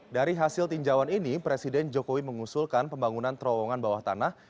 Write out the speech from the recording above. dari hasil tinjauan ini presiden jokowi mengusulkan pembangunan terowongan bawah tanah